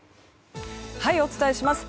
お伝えします。